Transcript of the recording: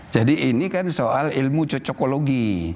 jadi ini kan soal ilmu cocokologi